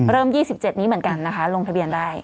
๒๗นี้เหมือนกันนะคะลงทะเบียนได้